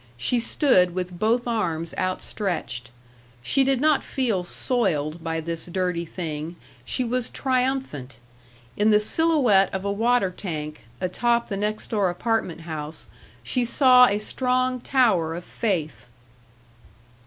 She stood with both arms outstretched. She did not feel soiled by this dirty thing. She was triumphant. In the silhouette of a water tank, atop the next door apartment house, she saw a strong tower of faith.